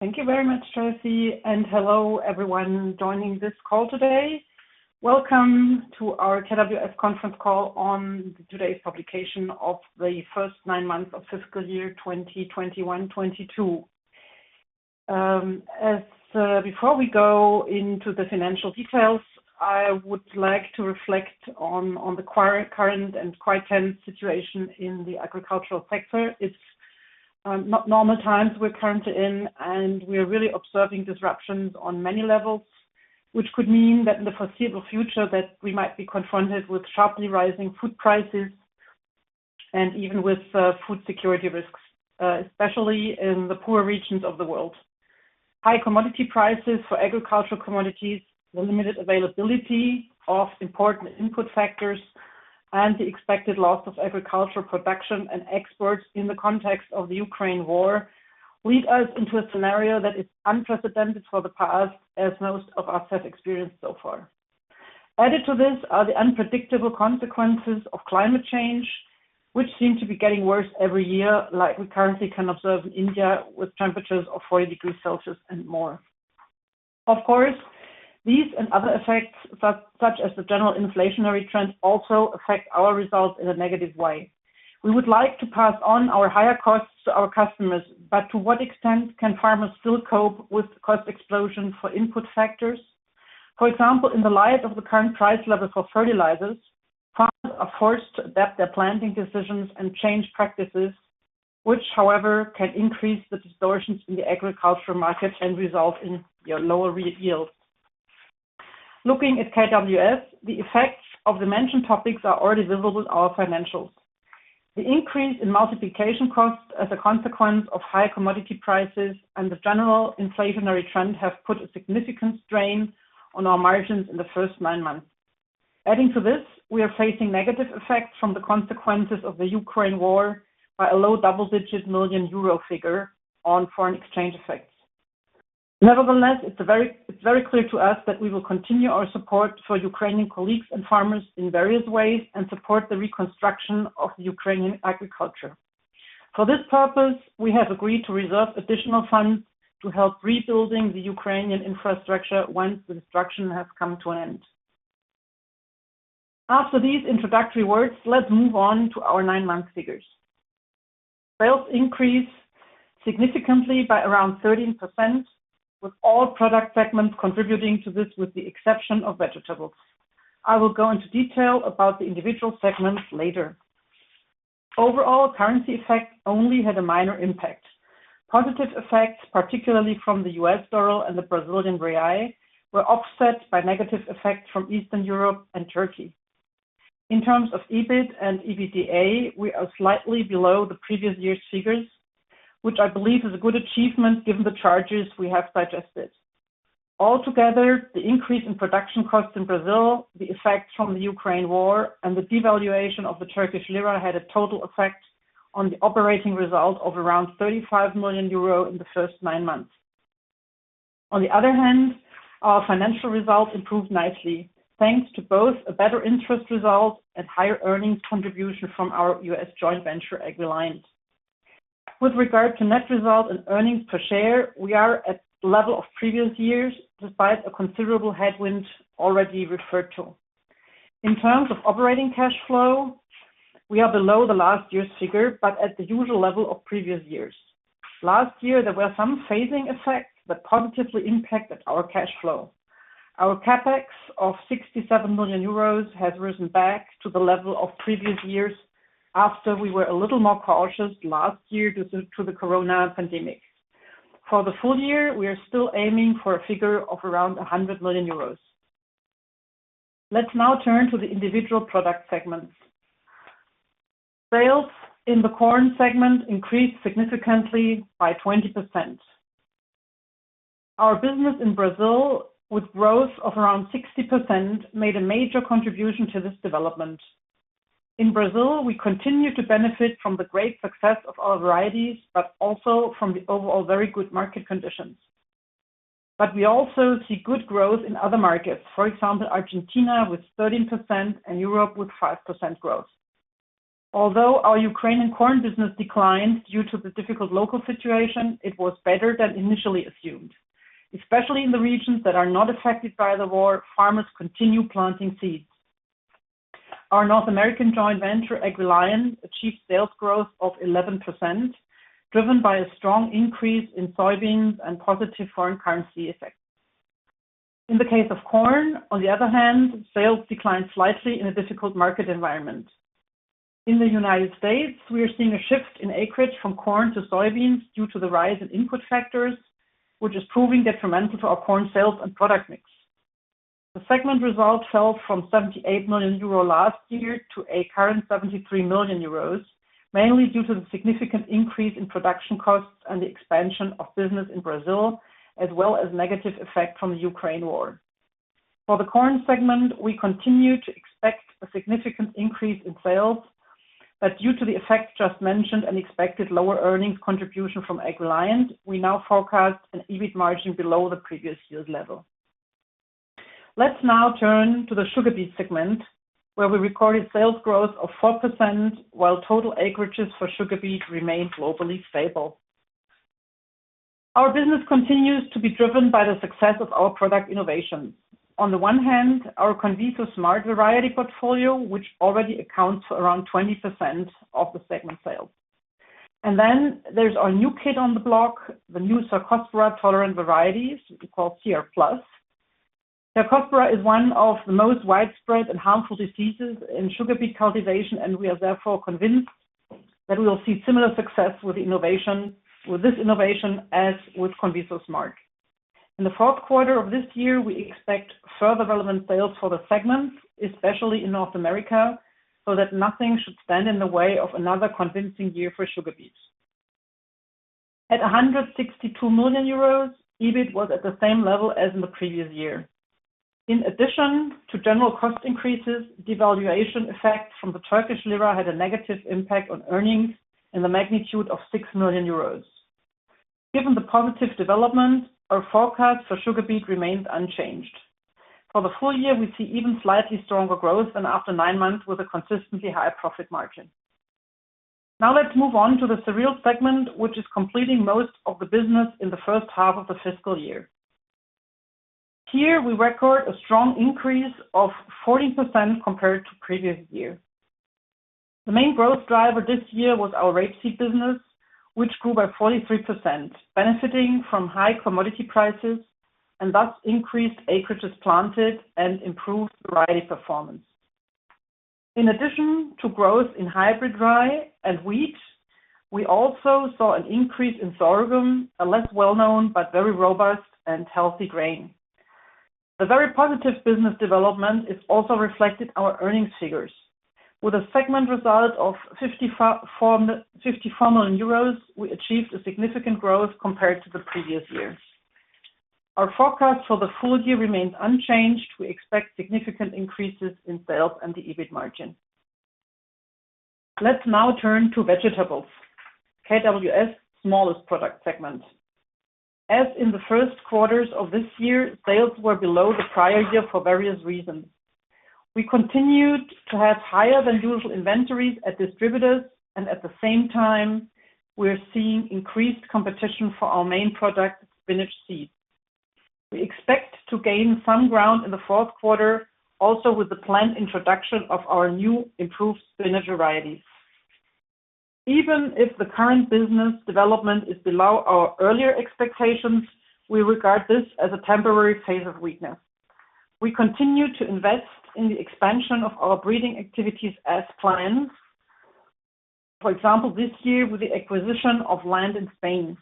Thank you very much, Tracy, and hello, everyone joining this call today. Welcome to our KWS conference call on today's publication of the first nine months of fiscal year 2021/2022. Before we go into the financial details, I would like to reflect on the current and quite tense situation in the agricultural sector. It's not normal times we're currently in, and we're really observing disruptions on many levels, which could mean that in the foreseeable future that we might be confronted with sharply rising food prices and even with food security risks, especially in the poorer regions of the world. High commodity prices for agricultural commodities, the limited availability of important input factors, and the expected loss of agricultural production and exports in the context of the Ukraine war lead us into a scenario that is unprecedented for the past, as most of us have experienced so far. Added to this are the unpredictable consequences of climate change, which seem to be getting worse every year, like we currently can observe in India with temperatures of 40 degrees Celsius and more. Of course, these and other effects, such as the general inflationary trends, also affect our results in a negative way. We would like to pass on our higher costs to our customers, but to what extent can farmers still cope with cost explosion for input factors? For example, in the light of the current price level for fertilizers, farmers are forced to adapt their planting decisions and change practices, which, however, can increase the distortions in the agricultural market and result in, you know, lower yields. Looking at KWS, the effects of the mentioned topics are already visible in our financials. The increase in multiplication costs as a consequence of high commodity prices and the general inflationary trend have put a significant strain on our margins in the first nine months. Adding to this, we are facing negative effects from the consequences of the Ukraine war by a low double-digit million EUR figure on foreign exchange effects. Nevertheless, it's very clear to us that we will continue our support for Ukrainian colleagues and farmers in various ways and support the reconstruction of Ukrainian agriculture. For this purpose, we have agreed to reserve additional funds to help rebuilding the Ukrainian infrastructure once the destruction has come to an end. After these introductory words, let's move on to our nine-month figures. Sales increased significantly by around 13%, with all product segments contributing to this, with the exception of vegetables. I will go into detail about the individual segments later. Overall, currency effects only had a minor impact. Positive effects, particularly from the US dollar and the Brazilian real, were offset by negative effects from Eastern Europe and Turkey. In terms of EBIT and EBITDA, we are slightly below the previous year's figures, which I believe is a good achievement given the charges we have suggested. Altogether, the increase in production costs in Brazil, the effect from the Ukraine war, and the devaluation of the Turkish lira had a total effect on the operating result of around 35 million euro in the first nine months. Our financial results improved nicely, thanks to both a better interest result and higher earnings contribution from our US joint venture, AgReliant. With regard to net results and earnings per share, we are at the level of previous years, despite a considerable headwind already referred to. In terms of operating cash flow, we are below the last year's figure, but at the usual level of previous years. Last year, there were some phasing effects that positively impacted our cash flow. Our CapEx of 67 million euros has risen back to the level of previous years after we were a little more cautious last year due to the corona pandemic. For the full year, we are still aiming for a figure of around 100 million euros. Let's now turn to the individual product segments. Sales in the corn segment increased significantly by 20%. Our business in Brazil, with growth of around 60%, made a major contribution to this development. In Brazil, we continue to benefit from the great success of our varieties, but also from the overall very good market conditions. We also see good growth in other markets, for example, Argentina with 13% and Europe with 5% growth. Although our Ukrainian corn business declined due to the difficult local situation, it was better than initially assumed. Especially in the regions that are not affected by the war, farmers continue planting seeds. Our North American joint venture, AgReliant, achieved sales growth of 11%, driven by a strong increase in soybeans and positive foreign currency effects. In the case of corn, on the other hand, sales declined slightly in a difficult market environment. In the United States, we are seeing a shift in acreage from corn to soybeans due to the rise in input factors, which is proving detrimental to our corn sales and product mix. The segment results fell from 78 million euro last year to a current 73 million euros, mainly due to the significant increase in production costs and the expansion of business in Brazil, as well as negative effect from the Ukraine war. For the corn segment, we continue to expect a significant increase in sales, but due to the effects just mentioned and expected lower earnings contribution from AgReliant, we now forecast an EBIT margin below the previous year's level. Let's now turn to the sugar beet segment, where we recorded sales growth of 4%, while total acreages for sugar beet remained globally stable. Our business continues to be driven by the success of our product innovations. On the one hand, our CONVISO Smart variety portfolio, which already accounts for around 20% of the segment sales. Then there's our new kid on the block, the new Cercospora-tolerant varieties, we call CR+. Cercospora is one of the most widespread and harmful diseases in sugar beet cultivation, and we are therefore convinced that we will see similar success with this innovation, as with CONVISO Smart. In the Q4 of this year, we expect further relevant sales for the segment, especially in North America, so that nothing should stand in the way of another convincing year for sugar beets. At 162 million euros, EBIT was at the same level as in the previous year. In addition to general cost increases, devaluation of the Turkish lira had a negative impact on earnings in the magnitude of 6 million euros. Given the positive development, our forecast for sugar beet remains unchanged. For the full year, we see even slightly stronger growth than after nine months with a consistently higher profit margin. Now let's move on to the cereals segment, which is completing most of the business in the first half of the fiscal year. Here we record a strong increase of 14% compared to previous year. The main growth driver this year was our rapeseed business, which grew by 43%, benefiting from high commodity prices and thus increased acreages planted and improved variety performance. In addition to growth in hybrid rye and wheat, we also saw an increase in sorghum, a less well-known but very robust and healthy grain. The very positive business development is also reflected in our earnings figures. With a segment result of 54 million euros, we achieved a significant growth compared to the previous year. Our forecast for the full year remains unchanged. We expect significant increases in sales and the EBIT margin. Let's now turn to vegetables, KWS' smallest product segment. As in the Q1's of this year, sales were below the prior year for various reasons. We continued to have higher than usual inventories at distributors and at the same time, we're seeing increased competition for our main product, spinach seed. We expect to gain some ground in the Q4 also with the planned introduction of our new improved spinach varieties. Even if the current business development is below our earlier expectations, we regard this as a temporary phase of weakness. We continue to invest in the expansion of our breeding activities as planned. For example, this year with the acquisition of land in Spain.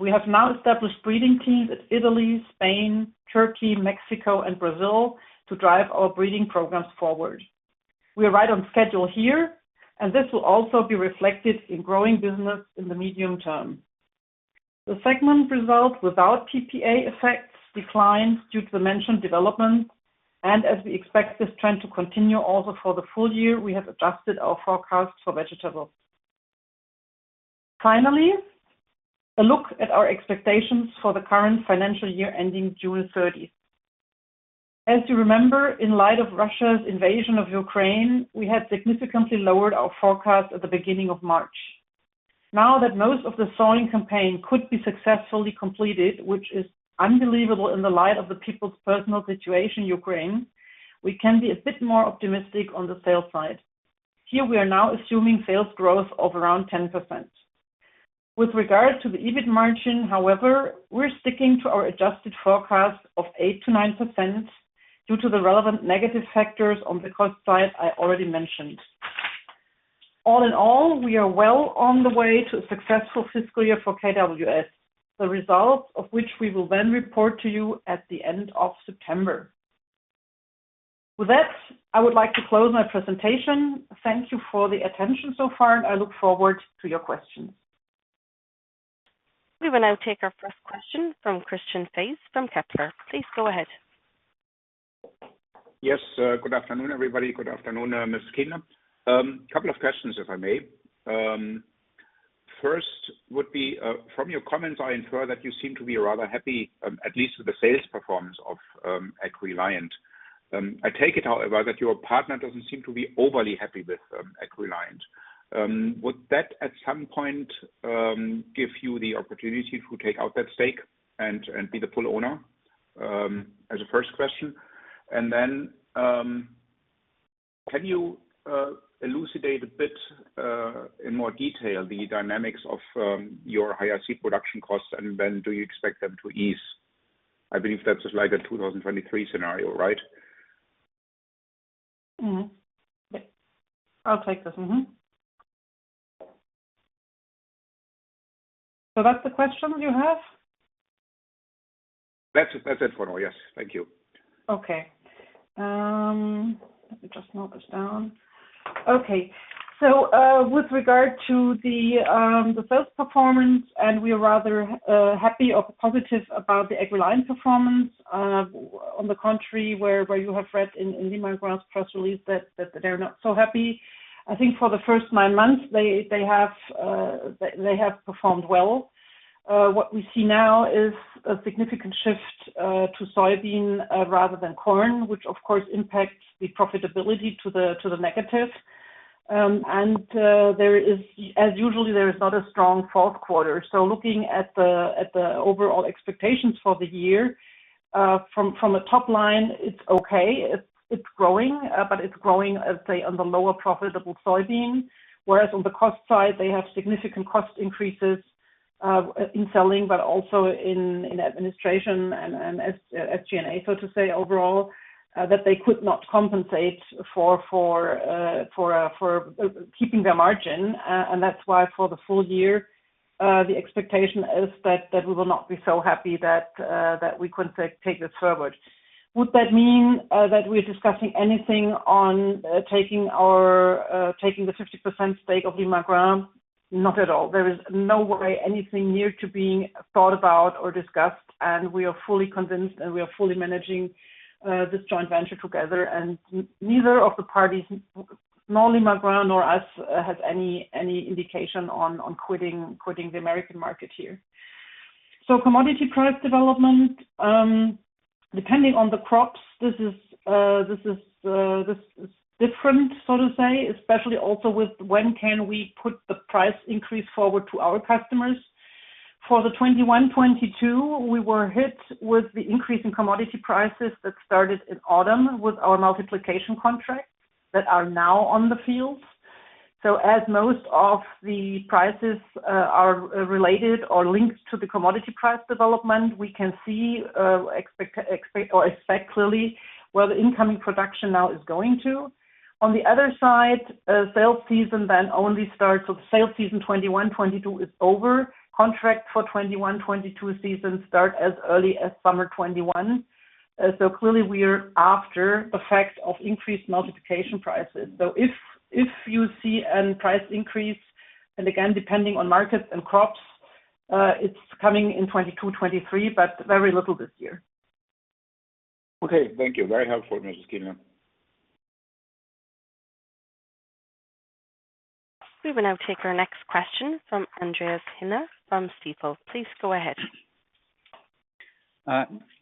We have now established breeding teams in Italy, Spain, Turkey, Mexico, and Brazil to drive our breeding programs forward. We are right on schedule here, and this will also be reflected in growing business in the medium term. The segment results without PPA effects declined due to the mentioned developments, and as we expect this trend to continue also for the full year, we have adjusted our forecast for vegetables. Finally, a look at our expectations for the current financial year ending June thirtieth. As you remember, in light of Russia's invasion of Ukraine, we had significantly lowered our forecast at the beginning of March. Now that most of the sowing campaign could be successfully completed, which is unbelievable in the light of the people's personal situation in Ukraine, we can be a bit more optimistic on the sales side. Here we are now assuming sales growth of around 10%. With regard to the EBIT margin, however, we're sticking to our adjusted forecast of 8%-9% due to the relevant negative factors on the cost side I already mentioned. All in all, we are well on the way to a successful fiscal year for KWS, the results of which we will then report to you at the end of September. With that, I would like to close my presentation. Thank you for the attention so far, and I look forward to your questions. We will now take our first question from Christian Faitz from Kepler Cheuvreux. Please go ahead. Yes, good afternoon, everybody. Good afternoon, Ms. Kienle. Couple of questions, if I may. First would be, from your comments, I infer that you seem to be rather happy, at least with the sales performance of AgReliant. I take it, however, that your partner doesn't seem to be overly happy with AgReliant. Would that at some point give you the opportunity to take out that stake and be the full owner? As a first question. Can you elucidate a bit in more detail the dynamics of your higher seed production costs, and when do you expect them to ease? I believe that's like a 2023 scenario, right? Yeah. I'll take this. That's the questions you have? That's it for now. Yes. Thank you. With regard to the sales performance, we are rather happy or positive about AgReliant's corn performance. On the contrary, where you have read in Limagrain's press release that they're not so happy. I think for the first nine months, they have performed well. What we see now is a significant shift to soybean rather than corn, which of course impacts the profitability to the negative. There is as usual not a strong Q4. Looking at the overall expectations for the year, from a top line, it's okay. It's growing, but it's growing, let's say, on the less profitable soybean. Whereas on the cost side, they have significant cost increases in selling, but also in administration and G&A. So to say overall, that they could not compensate for keeping their margin, and that's why for the full year, the expectation is that we will not be so happy that we couldn't take this forward. Would that mean that we're discussing anything on taking the 50% stake of Limagrain? Not at all. There is no way anything near to being thought about or discussed, and we are fully convinced, and we are fully managing this joint venture together. Neither of the parties, nor Limagrain nor us, has any indication on quitting the American market here. Commodity price development, depending on the crops, this is different, so to say, especially also with when can we put the price increase forward to our customers. For the 2021-2022, we were hit with the increase in commodity prices that started in autumn with our multiplication contracts that are now on the field. As most of the prices are related or linked to the commodity price development, we can expect clearly where the incoming production now is going to. On the other side, sales season then only starts. The sales season 2021-2022 is over. Contract for 2021-2022 season start as early as summer 2021. Clearly we are after effect of increased multiplication prices. If you see a price increase, and again, depending on markets and crops, it's coming in 2022, 2023, but very little this year. Okay. Thank you. Very helpful, Mrs. Kienle. We will now take our next question from Andreas Heine from Stifel. Please go ahead.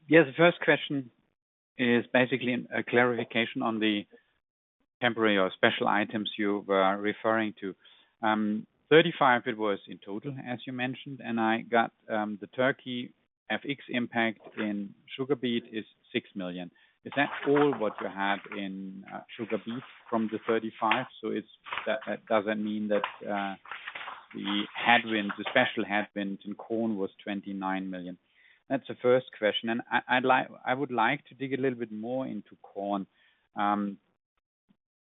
Yes, the first question is basically a clarification on the temporary or special items you were referring to. 35 it was in total, as you mentioned, and I got the Turkey FX impact in sugar beet is 6 million. Is that all what you have in sugar beet from the 35? That doesn't mean that the headwinds, the special headwinds in corn was 29 million. That's the first question. I'd like to dig a little bit more into corn. The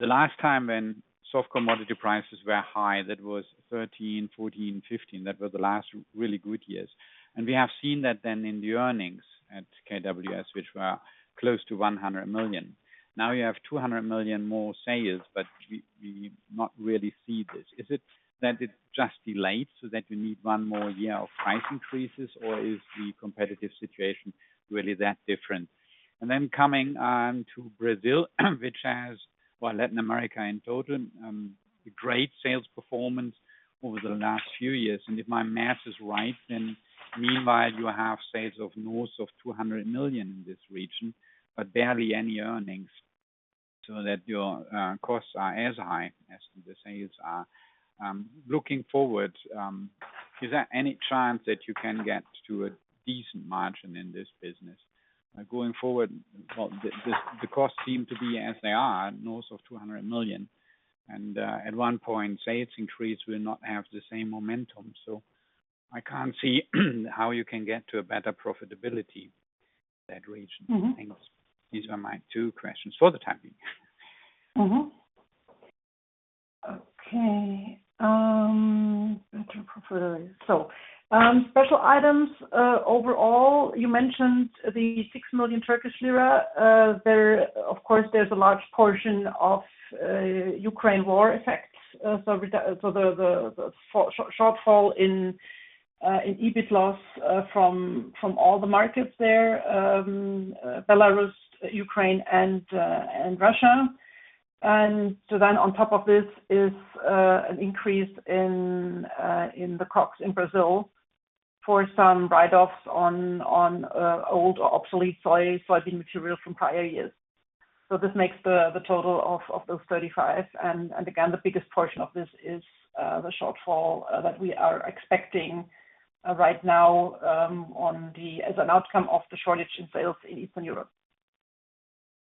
last time when soft commodity prices were high, that was 2013, 2014, 2015. That was the last really good years. We have seen that then in the earnings at KWS, which were close to 100 million. Now you have 200 million more sales, but we not really see this. Is it that it's just delayed so that you need one more year of price increases, or is the competitive situation really that different? Then coming to Brazil, which has, well, Latin America in total, great sales performance over the last few years. If my math is right, then meanwhile, you have sales of north of 200 million in this region, but barely any earnings so that your costs are as high as the sales are. Looking forward, is there any chance that you can get to a decent margin in this business? Going forward, well, the costs seem to be as they are, north of 200 million. At one point, sales increase will not have the same momentum. I can't see how you can get to a better profitability that region, I think. These are my two questions for the time being. Special items, overall, you mentioned the 6 million Turkish lira. There, of course, there's a large portion of Ukraine war effects. The shortfall in EBIT loss from all the markets there, Belarus, Ukraine, and Russia. On top of this is an increase in the costs in Brazil for some write-offs on old or obsolete soybean material from prior years. This makes the total of those 35. Again, the biggest portion of this is the shortfall that we are expecting right now as an outcome of the shortage in sales in Eastern Europe.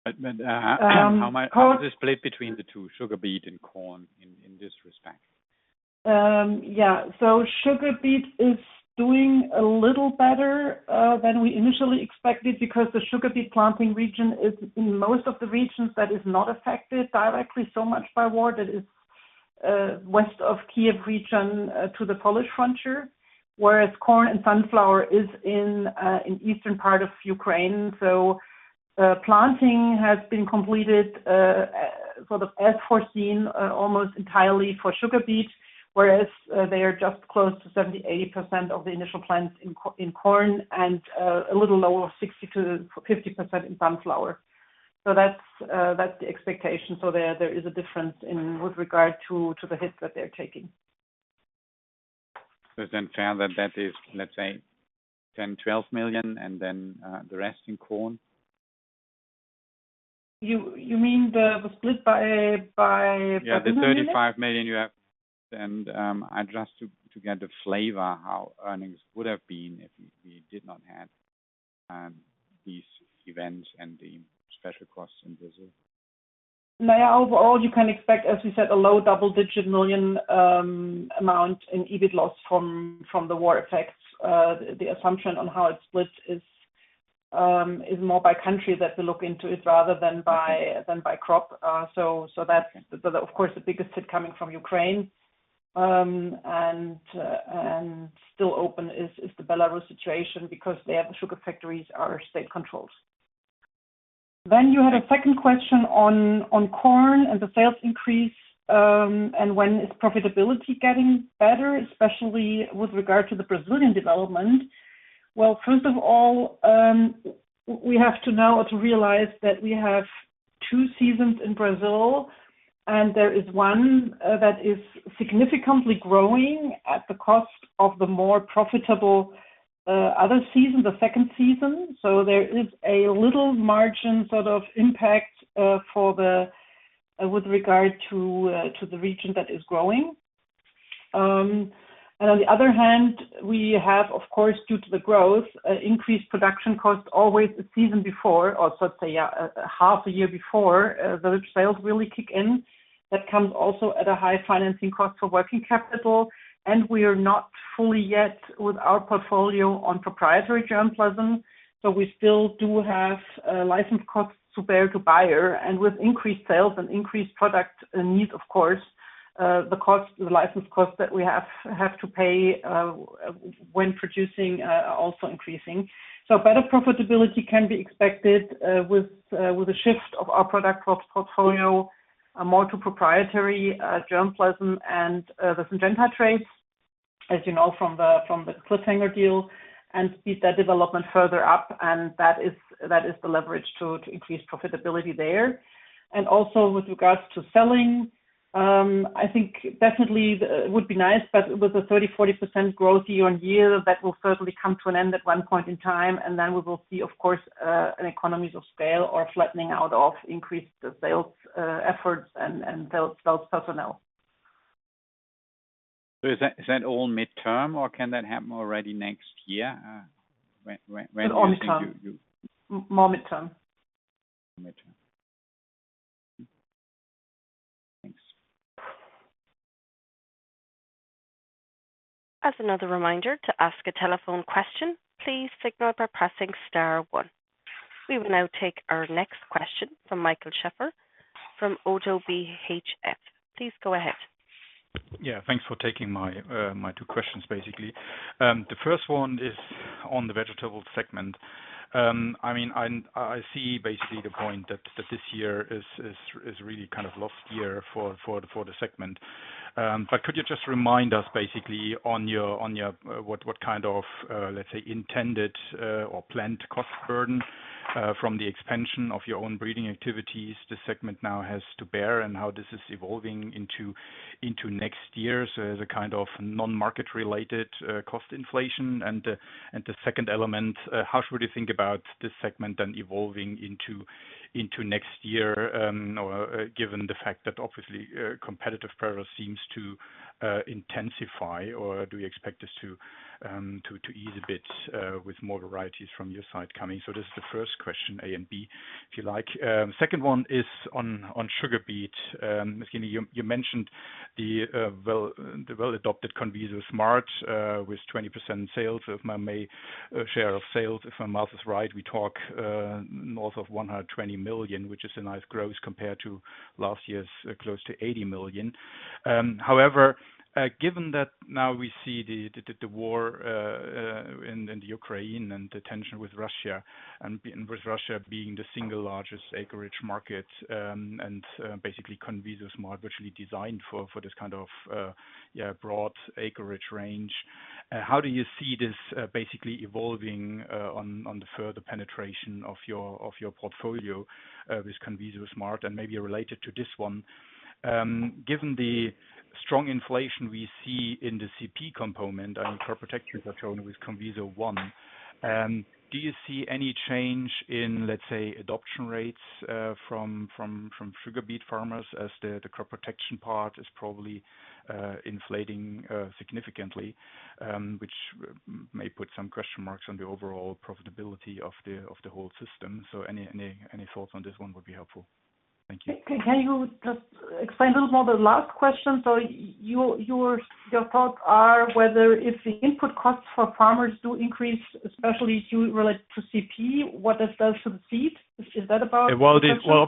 How am I? Um, how- How is this split between the two, sugar beet and corn, in this respect? Yeah. Sugar beet is doing a little better than we initially expected because the sugar beet planting region is in most of the regions that is not affected directly so much by war. That is west of Kyiv region to the Polish frontier, whereas corn and sunflower is in eastern part of Ukraine. Planting has been completed sort of as foreseen almost entirely for sugar beet, whereas they are just close to 70-80% of the initial plants in corn and a little lower, 60 to 50% in sunflower. That's the expectation. There is a difference in with regard to the hit that they're taking. For that is, let's say, 10-12 million, and then the rest in corn? You mean the split by business unit? Yeah. The 35 million you have. I just want to get a flavor of how earnings would have been if we did not have these events and the special costs in Brazil. No, overall, you can expect, as we said, a low double-digit million amount in EBIT loss from the war effects. The assumption on how it splits is more by country that we look into it rather than by- Okay. That's of course the biggest hit coming from Ukraine. Still open is the Belarus situation because there, the sugar factories are state-controlled. You had a second question on corn and the sales increase, and when is profitability getting better, especially with regard to the Brazilian development. Well, first of all, we have to now to realize that we have two seasons in Brazil, and there is one that is significantly growing at the cost of the more profitable other season, the second season. There is a little margin sort of impact with regard to the region that is growing. On the other hand, we have, of course, due to the growth, increased production costs always the season before or let's say, half a year before, the sales really kick in. That comes also at a high financing cost for working capital, and we are not fully yet with our portfolio on proprietary germplasm, so we still do have license costs to bear to Bayer. With increased sales and increased product need, of course, the cost, the license cost that we have to pay when producing are also increasing. Better profitability can be expected with a shift of our product portfolio more to proprietary germplasm and the Syngenta traits, as you know, from the Kleffmann deal and speed up that development further, and that is the leverage to increase profitability there. Also with regards to selling, I think definitely would be nice, but with a 30%-40% growth year-on-year, that will certainly come to an end at one point in time, and then we will see, of course, economies of scale or flattening out of increased sales efforts and sales personnel. Is that all midterm or can that happen already next year? When do you think you- Long term. More mid-term. Midterm. Thanks. As another reminder to ask a telephone question, please signal by pressing star one. We will now take our next question from Michael Schaefer from ODDO BHF. Please go ahead. Yeah, thanks for taking my two questions, basically. The first one is on the vegetable segment. I see basically the point that this year is really kind of lost year for the segment. Could you just remind us basically on your what kind of let's say intended or planned cost burden from the expansion of your own breeding activities the segment now has to bear and how this is evolving into next year. As a kind of non-market related cost inflation. The second element, how should we think about this segment then evolving into next year, or given the fact that obviously competitive pressure seems to intensify or do you expect this to ease a bit with more varieties from your side coming? This is the first question A and B, if you like. Second one is on sugar beet. You mentioned the well-adopted CONVISO Smart with 20% share of sales, if my math is right, we talk north of 120 million, which is a nice growth compared to last year's close to 80 million. However, given that now we see the war in the Ukraine and the tension with Russia and with Russia being the single largest acreage market, and basically CONVISO SMART virtually designed for this kind of broad acreage range, how do you see this basically evolving on the further penetration of your portfolio with CONVISO SMART? Maybe related to this one, given the strong inflation we see in the CP component, I mean, crop protections are shown with CONVISO One, do you see any change in, let's say, adoption rates from sugar beet farmers as the crop protection part is probably inflating significantly, which may put some question marks on the overall profitability of the whole system. Any thoughts on this one would be helpful. Thank you. Can you just explain a little more the last question? Your thoughts are whether if the input costs for farmers do increase, especially if you relate to CP, what that does to the seed? Is that about the question? Well,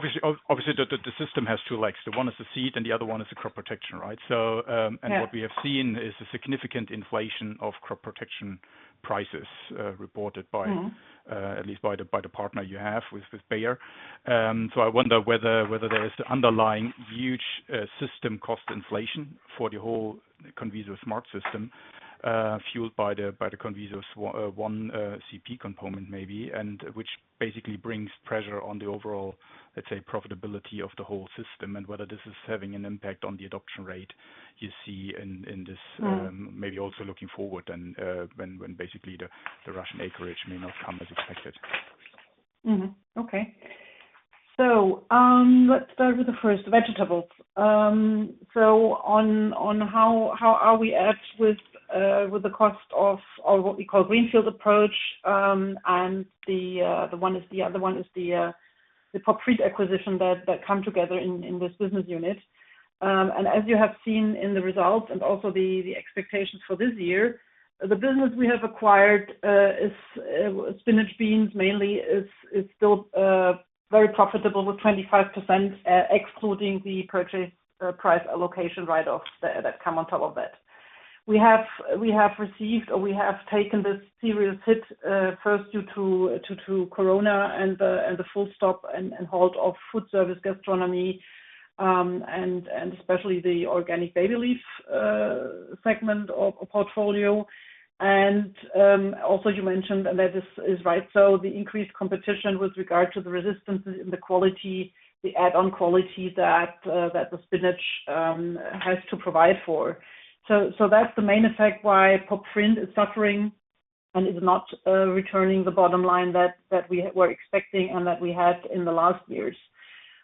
obviously, the system has two legs. The one is the seed and the other one is the crop protection, right? So, Yeah. What we have seen is a significant inflation of crop protection prices, reported by At least by the partner you have with Bayer. I wonder whether there is underlying huge system cost inflation for the whole Conviso Smart system, fueled by the Conviso One CP component maybe, and which basically brings pressure on the overall, let's say, profitability of the whole system and whether this is having an impact on the adoption rate you see in this, maybe also looking forward and when basically the Russian acreage may not come as expected. Okay. Let's start with the first, vegetables. How are we at with the cost of what we call greenfield approach, and the other one is the Pop Vriend acquisition that come together in this business unit. As you have seen in the results and also the expectations for this year, the business we have acquired is spinach beans mainly is still very profitable with 25%, excluding the purchase price allocation write-offs that come on top of that. We have received, or we have taken this serious hit, first due to corona and the full stop and halt of food service gastronomy, and especially the organic baby leaf segment of portfolio. Also you mentioned, and that is right, so the increased competition with regard to the resistance in the quality, the add-on quality that the spinach has to provide for. So that's the main effect why Pop Vriend is suffering and is not returning the bottom line that we were expecting and that we had in the last years.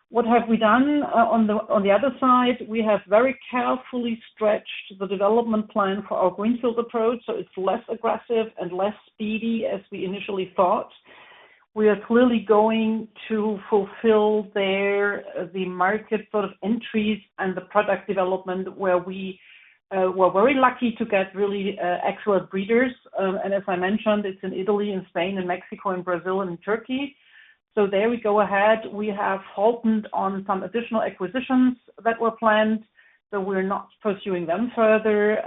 What have we done on the other side? We have very carefully stretched the development plan for our greenfield approach, so it's less aggressive and less speedy as we initially thought. We are clearly going to fulfill their, the market sort of entries and the product development where we're very lucky to get really excellent breeders. As I mentioned, it's in Italy and Spain and Mexico and Brazil and Turkey. There we go ahead. We have halted on some additional acquisitions that were planned, so we're not pursuing them further.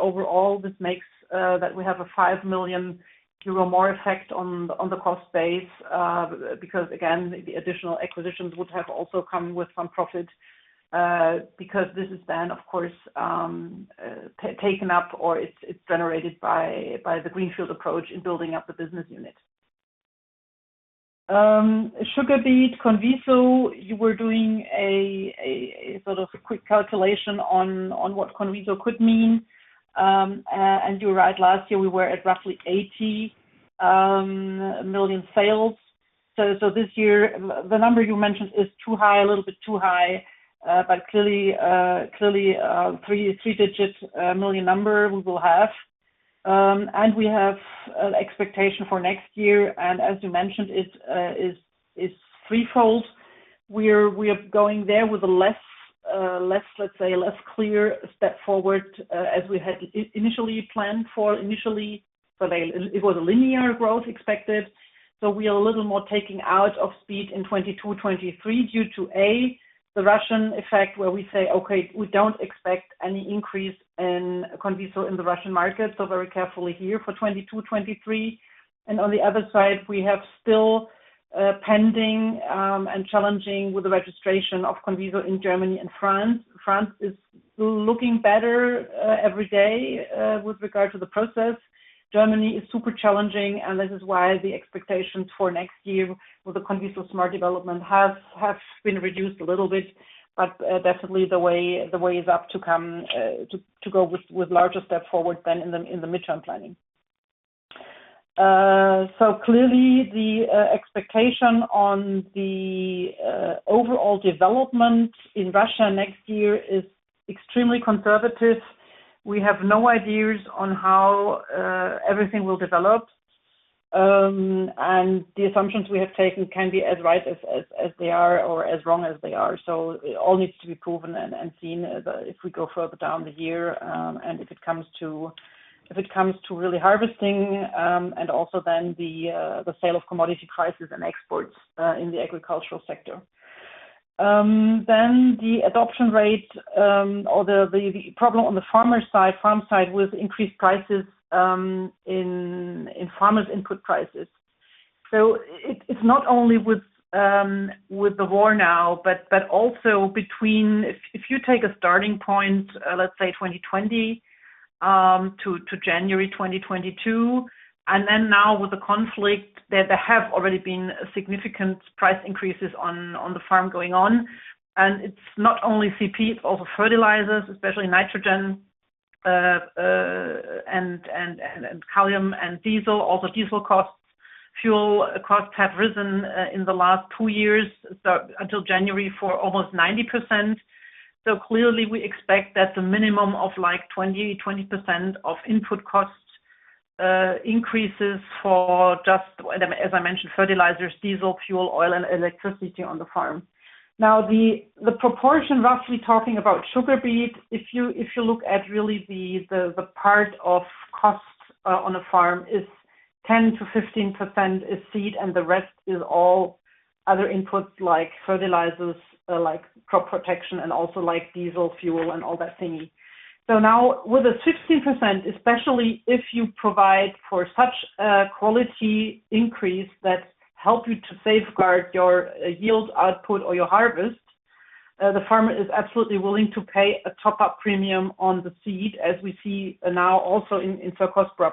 Overall, this makes that we have a 5 million euro more effect on the cost base, because again, the additional acquisitions would have also come with some profit, because this is then of course taken up or it's generated by the greenfield approach in building up the business unit. Sugar beet CONVISO, you were doing a sort of a quick calculation on what CONVISO could mean. You're right, last year we were at roughly 80 million sales. This year, the number you mentioned is too high, a little bit too high, but clearly a three-digit million EUR number we will have. We have an expectation for next year. As you mentioned, it's threefold. We're going there with a less, let's say, less clear step forward, as we had initially planned for initially. It was a linear growth expected. We are a little more taking out of speed in 2022, 2023 due to the Russian effect where we say, "Okay, we don't expect any increase in CONVISO in the Russian market." Very carefully here for 2022, 2023. On the other side, we have still pending and challenging with the registration of CONVISO in Germany and France. France is looking better every day with regard to the process. Germany is super challenging, and this is why the expectations for next year with the CONVISO Smart development has been reduced a little bit. Definitely the way is up to come to go with larger step forward than in the midterm planning. Clearly the expectation on the overall development in Russia next year is extremely conservative. We have no ideas on how everything will develop. The assumptions we have taken can be as right as they are or as wrong as they are. It all needs to be proven and seen as if we go further down the year, and if it comes to really harvesting, and also then the sale of commodity prices and exports in the agricultural sector. Then the adoption rate, or the problem on the farmer side with increased prices in farmers' input prices. It's not only with the war now, but also between if you take a starting point, let's say 2020 to January 2022, and then now with the conflict, there have already been significant price increases on the farm going on. It's not only CP, it's also fertilizers, especially nitrogen, and calcium and diesel. Also diesel costs, fuel costs have risen in the last two years, so until January for almost 90%. Clearly, we expect that the minimum of like 20% of input costs increases for just, as I mentioned, fertilizers, diesel, fuel, oil, and electricity on the farm. Now the proportion roughly talking about sugar beet, if you look at really the part of costs on a farm is 10%-15% is seed, and the rest is all other inputs like fertilizers, like crop protection, and also like diesel, fuel, and all that thingy. Now with the 15%, especially if you provide for such a quality increase that helps you to safeguard your yield output or your harvest. The farmer is absolutely willing to pay a top-up premium on the seed, as we see now also in CR+,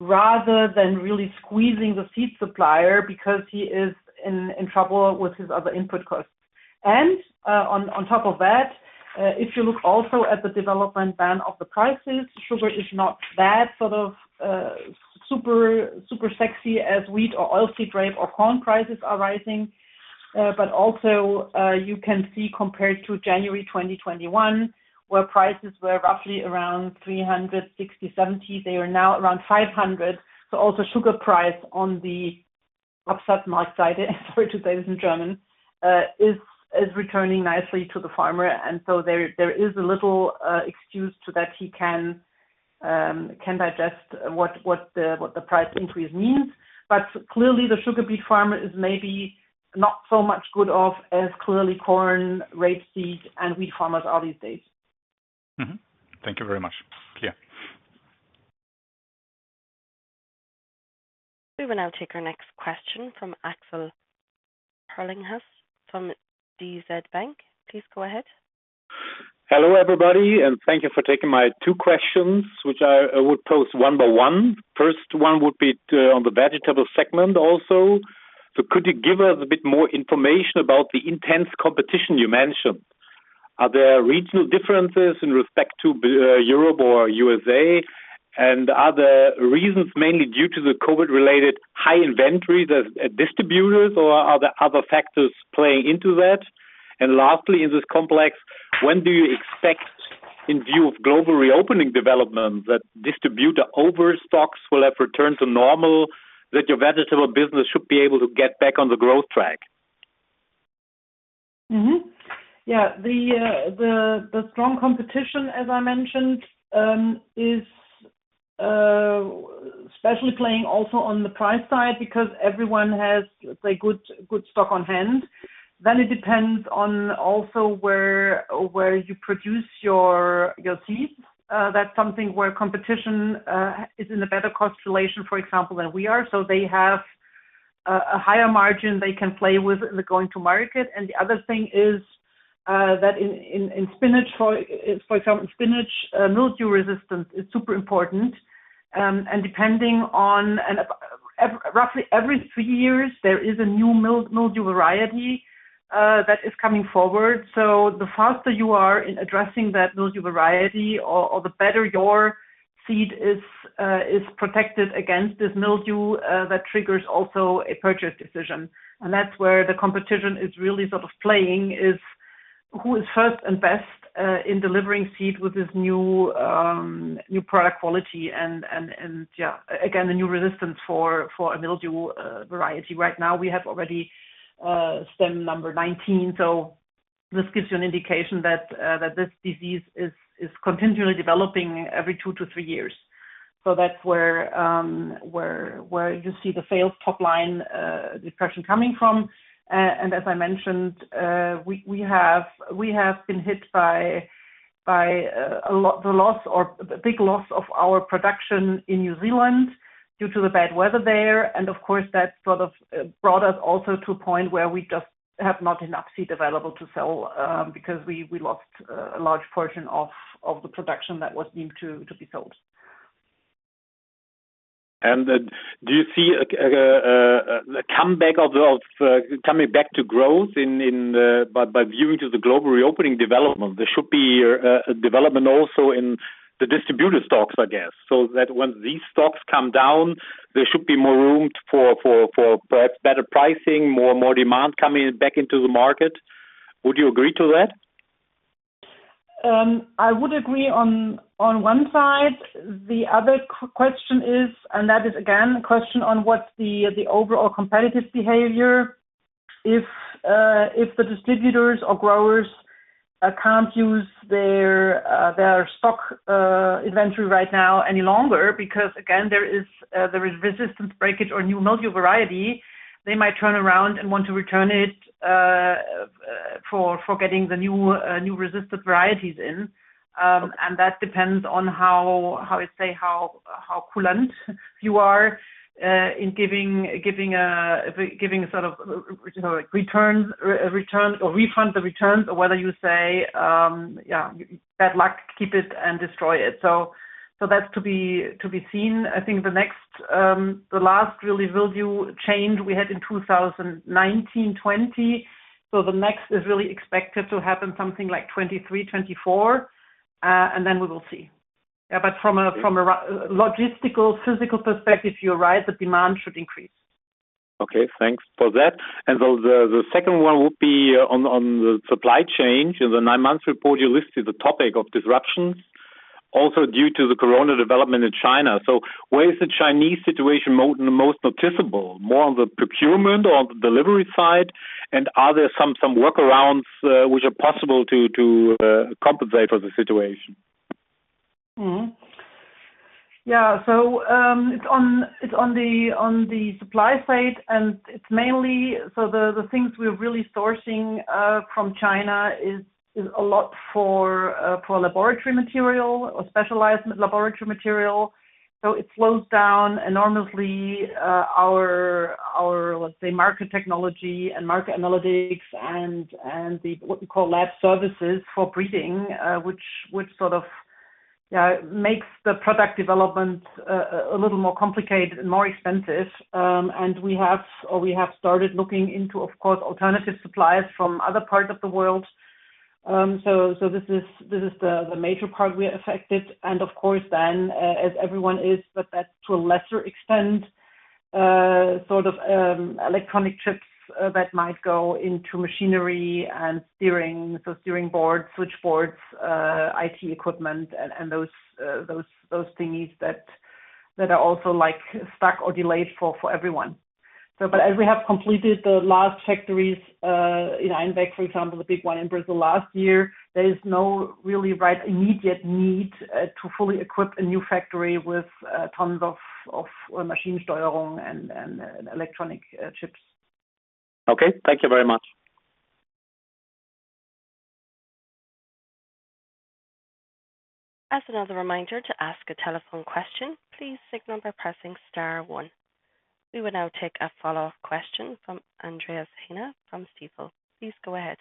rather than really squeezing the seed supplier because he is in trouble with his other input costs. On top of that, if you look also at the development in the prices, sugar is not that sort of super sexy as wheat or oilseed rape or corn prices are rising. You can see compared to January 2021, where prices were roughly around 360-370, they are now around 500. Also sugar price on the Absatzmarkt side, sorry to say this in German, is returning nicely to the farmer. There is a little excuse to that he can digest what the price increase means. Clearly the sugar beet farmer is maybe not so well off as clearly corn, rapeseed and wheat farmers are these days. Thank you very much. Clear. We will now take our next question from Axel Herlinghaus from DZ Bank. Please go ahead. Hello, everybody, and thank you for taking my two questions, which I would pose one by one. First one would be on the vegetable segment also. Could you give us a bit more information about the intense competition you mentioned? Are there regional differences in respect to Europe or USA? Are there reasons mainly due to the COVID-related high inventory that distributors or are there other factors playing into that? Lastly, in this complex, when do you expect, in view of global reopening development, that distributor overstocks will have returned to normal, that your vegetable business should be able to get back on the growth track? The strong competition, as I mentioned, is especially playing also on the price side because everyone has, let's say, good stock on hand. It depends on also where you produce your seeds. That's something where competition is in a better cost relation, for example, than we are. They have a higher margin they can play with going to market. The other thing is that in spinach, for example, mildew resistance is super important. Roughly every three years, there is a new mildew variety that is coming forward. The faster you are in addressing that mildew variety or the better your seed is protected against this mildew, that triggers also a purchase decision. That's where the competition is really sort of playing, is who is first and best in delivering seed with this new product quality. Again, a new resistance for a mildew variety. Right now we have already strain number 19. This gives you an indication that this disease is continually developing every two to three years. That's where you see the sales top line depression coming from. As I mentioned, we have been hit by the loss or the big loss of our production in New Zealand due to the bad weather there. Of course, that sort of brought us also to a point where we just have not enough seed available to sell, because we lost a large portion of the production that was meant to be sold. Do you see a comeback of coming back to growth by virtue of the global reopening development? There should be a development also in the distributor stocks, I guess. That when these stocks come down, there should be more room for perhaps better pricing, more demand coming back into the market. Would you agree to that? I would agree on one side. The other question is, and that is again, a question on what the overall competitive behavior, if the distributors or growers can't use their stock inventory right now any longer, because again, there is resistance breakage or new mildew variety, they might turn around and want to return it for getting the new resistant varieties in. And that depends on how I say, how lenient you are in giving a sort of, you know, like returns or refund the returns or whether you say, yeah, bad luck, keep it and destroy it. That's to be seen. I think the last really mildew change we had in 2019, 2020. The next is really expected to happen something like 2023, 2024, and then we will see. From a logistical, physical perspective, you're right, the demand should increase. Okay, thanks for that. The second one would be on the supply chain. In the nine-month report, you listed the topic of disruptions also due to the corona development in China. Where is the Chinese situation most noticeable? More on the procurement or the delivery side? Are there some workarounds which are possible to compensate for the situation? It's on the supply side, and it's mainly the things we're really sourcing from China, which is a lot for laboratory material or specialized laboratory material. It slows down enormously our let's say market technology and market analytics and the what we call lab services for breeding, which it makes the product development a little more complicated and more expensive. We have started looking into, of course, alternative suppliers from other parts of the world. This is the major part we are affected. Of course then, as everyone is, but that to a lesser extent, sort of, electronic chips that might go into machinery and steering, so steering boards, switchboards, IT equipment and those thingies that are also like stuck or delayed for everyone. But as we have completed the last factories in Einbeck, of course, for example, the big one in Brazil last year, there is no real immediate need to fully equip a new factory with tons of machine steering and electronic chips. Okay. Thank you very much. As another reminder to ask a telephone question, please signal by pressing star one. We will now take a follow-up question from Andreas Heine from Stifel. Please go ahead.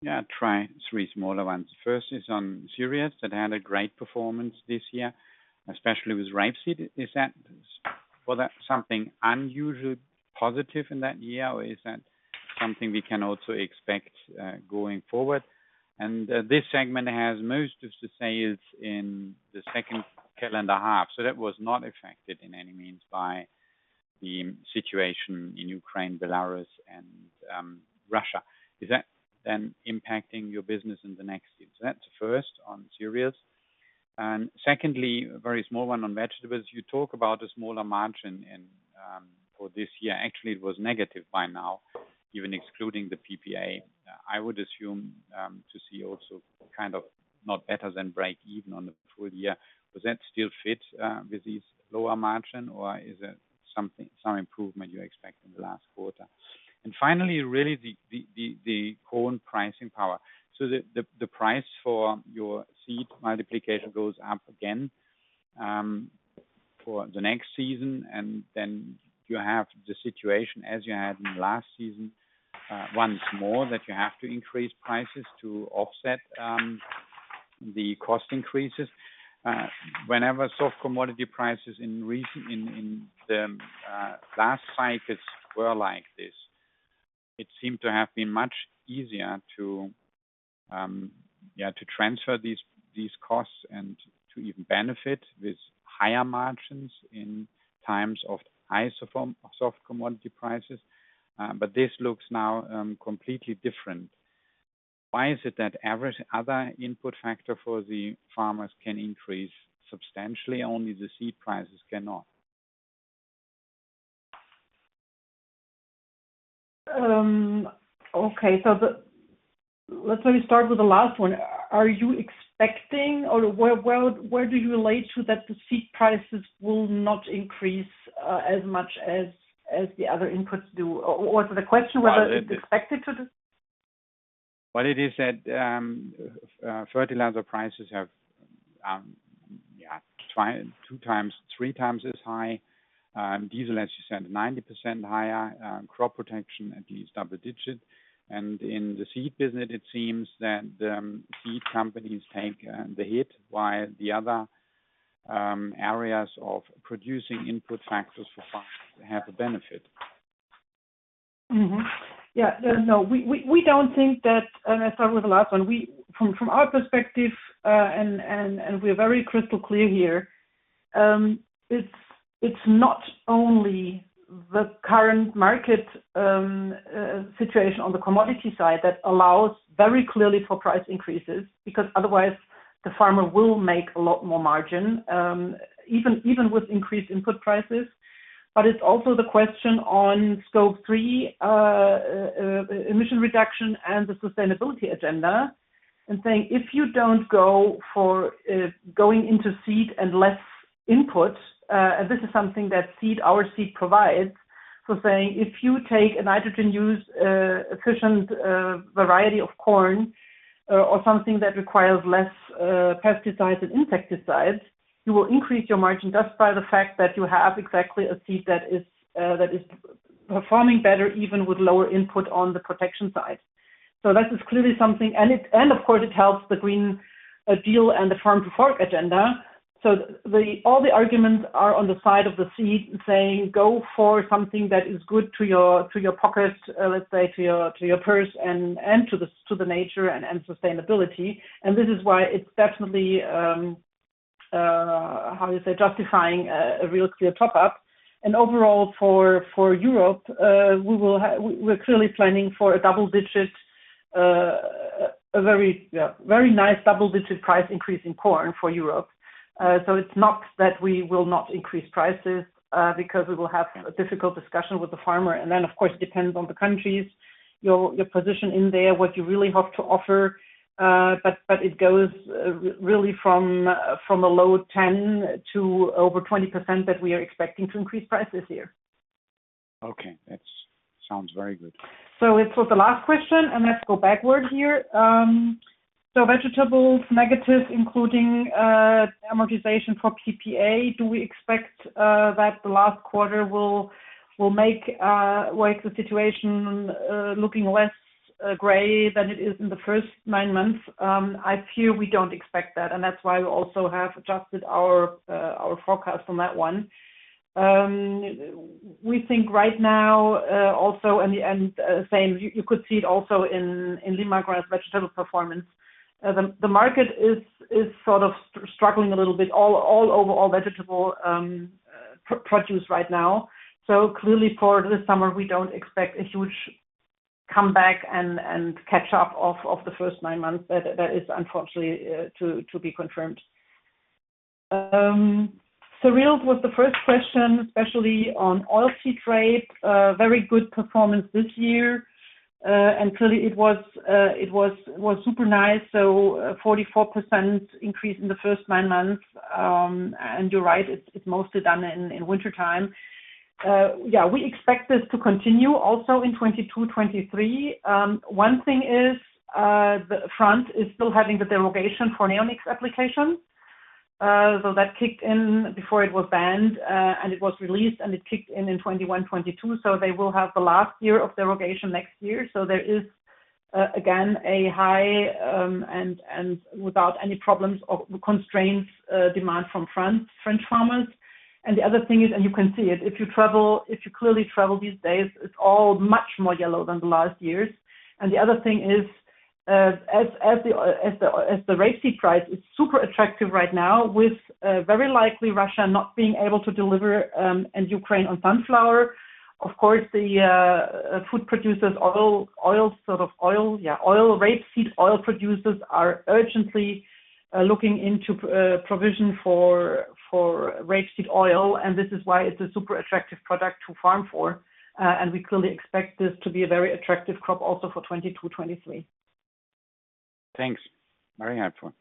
Yeah, I'll try three smaller ones. First is on that had a great performance this year, especially with rapeseed. Was that something unusual, positive in that year, or is that something we can also expect going forward? This segment has most of the sales in the second calendar half. That was not affected in any means by the situation in Ukraine, Belarus and Russia. Is that then impacting your business in the next years? That's first on Sirius. Secondly, a very small one on vegetables. You talk about a smaller margin in for this year. Actually, it was negative by now, even excluding the PPA. I would assume to see also kind of not better than break even on the full year. Does that still fit with this lower margin or is it something, some improvement you expect in the last quarter? Finally, really the corn pricing power. The price for your seed multiplication goes up again for the next season. You have the situation as you had in the last season once more, that you have to increase prices to offset the cost increases. Whenever soft commodity prices in last cycles were like this, it seemed to have been much easier to yeah to transfer these costs and to even benefit with higher margins in times of high soft commodity prices. This looks now completely different. Why is it that every other input factor for the farmers can increase substantially, only the seed prices cannot? Okay. Let me start with the last one. Are you expecting or where do you relate to that the seed prices will not increase as much as the other inputs do? Or was the question whether it's expected to do? Well, fertilizer prices have two-three times as high. Diesel, as you said, 90% higher, crop protection at least double digit. In the seed business, it seems that the seed companies take the hit while the other areas of producing input factors for farmers have the benefit. No, we don't think that. I start with the last one. From our perspective, and we're very crystal clear here, it's not only the current market situation on the commodity side that allows very clearly for price increases, because otherwise the farmer will make a lot more margin, even with increased input prices. It's also the question on Scope 3 emission reduction and the sustainability agenda and saying, if you don't go for going into seed and less input, this is something that seed, our seed provides. Saying if you take a nitrogen use efficient variety of corn or something that requires less pesticides and insecticides, you will increase your margin just by the fact that you have exactly a seed that is performing better even with lower input on the protection side. This is clearly something. It, of course, helps the Green Deal and the Farm to Fork agenda. All the arguments are on the side of the seed saying, go for something that is good to your pocket, let's say to your purse and to the nature and sustainability. This is why it's definitely how you say justifying a cereals clear top-up. Overall for Europe, we're clearly planning for a double-digit, a very very nice double-digit price increase in corn for Europe. It's not that we will not increase prices, because we will have a difficult discussion with the farmer. Of course, it depends on the countries, your position in there, what you really have to offer. It goes really from a low 10 to over 20% that we are expecting to increase price this year. Okay. That sounds very good. It was the last question, and let's go backward here. Vegetables negative, including amortization for PPA. Do we expect that the last quarter will make the situation looking less gray than it is in the first nine months? I fear we don't expect that, and that's why we also have adjusted our forecast on that one. We think right now, also in the end same, you could see it also in Limagrain's vegetable performance. The market is sort of struggling a little bit all overall vegetable produce right now. Clearly for this summer, we don't expect a huge comeback and catch up of the first nine months. That is unfortunately to be confirmed. Real was the first question, especially on oilseed rape. Very good performance this year. Clearly it was super nice. 44% increase in the first nine months. You're right, it's mostly done in wintertime. Yeah, we expect this to continue also in 2022-2023. One thing is, France is still having the revocation for neonics application. That kicked in before it was banned, and it was released, and it kicked in in 2021-2022. They will have the last year of revocation next year. There is again a high demand and without any problems or constraints from France, French farmers. The other thing is, you can see it if you clearly travel these days, it's all much more yellow than the last years. The other thing is, the rapeseed price is super attractive right now with very likely Russia not being able to deliver, and Ukraine on sunflower. Of course, the food producers of oil, rapeseed oil producers are urgently looking into provision for rapeseed oil, and this is why it's a super attractive product to farm for. We clearly expect this to be a very attractive crop also for 2022-2023. Thanks. Very helpful.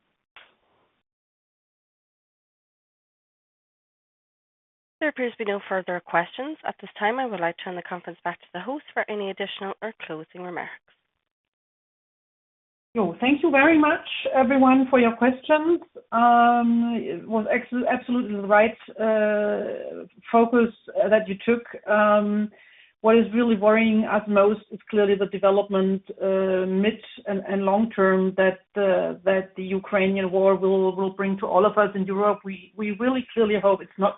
There appears to be no further questions. At this time, I would like to turn the conference back to the host for any additional or closing remarks. Thank you very much everyone for your questions. It was absolutely the right focus that you took. What is really worrying us most is clearly the development mid- and long-term that the Ukrainian war will bring to all of us in Europe. We really clearly hope it's not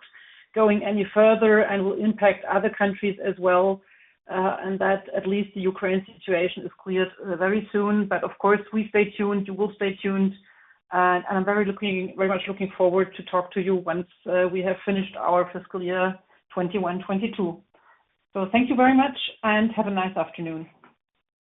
going any further and will impact other countries as well, and that at least the Ukraine situation is cleared very soon. Of course, we stay tuned. You will stay tuned, and I'm very much looking forward to talk to you once we have finished our fiscal year 2021-2022. Thank you very much and have a nice afternoon.